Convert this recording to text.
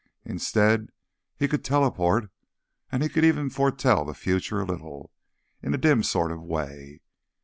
Instead, he could teleport and he could even foretell the future a little, in a dim sort of way.